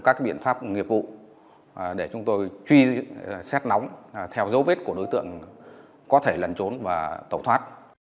các biện pháp nghiệp vụ để chúng tôi truy xét nóng theo dấu vết của đối tượng có thể lẩn trốn và tẩu thoát